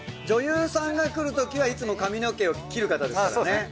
女優さんが来るときはいつも髪の毛を切る方ですからね。